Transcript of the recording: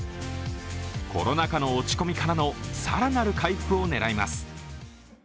コロナ禍からの落ち込みからの更なる回復を狙います。